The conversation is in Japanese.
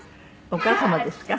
お母様ですか？